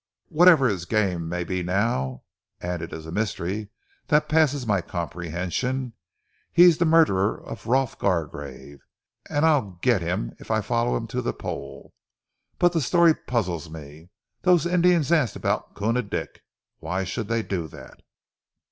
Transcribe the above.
Whatever his game may be now and it's a mystery that passes my comprehension he's the murderer of Rolf Gargrave, and I'll get him if I follow him to the Pole! But the story puzzles me! Those Indians asked about Koona Dick. Why should they do that?"